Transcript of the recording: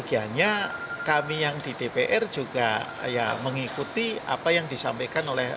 seyogianya kami yang di dpr juga mengikuti apa yang disampaikan oleh pemerintah